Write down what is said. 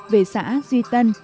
về xã duy tân